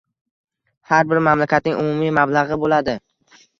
Har bir mamlakatning umumiy mablag‘i bo‘ladi.